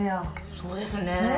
そうですね。ねぇ。